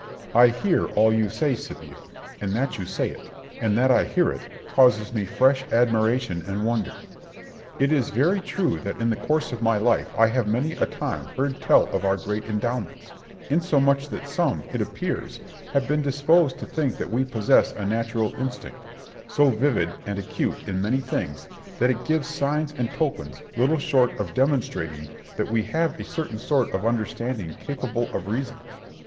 Berg. I hear all you say, Scipio; and that you say it, and that I hear it, causes me fresh admiration and wonder. It is very true that in the course of my life I have many a time heard tell of our great endowments, insomuch that some, it appears, have been disposed to think that we possess a natural instinct, so vivid and acute in many things that it gives signs and tokens little short of demonstrating that we have a certain sort of understanding capable of reason.